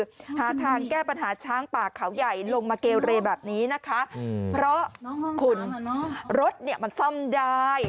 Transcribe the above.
คือหาทางแก้ปัญหาช้างป่าเขาใหญ่ลงมาเกวเรแบบนี้นะคะเพราะคุณรถเนี่ยมันซ่อมได้